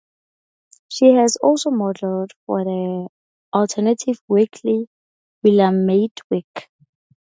She has also modeled for the alternative weekly Willamette Week.